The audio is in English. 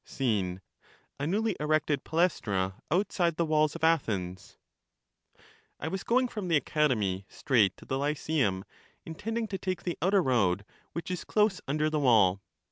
Scene: — A newly erected Palaestra outside the walls of Athens. I WAS going from the Academy straight to the Lyeeimi, intending to take the outer road, which is close under the wall.